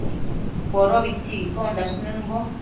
Podobitsi iccosh nëmbo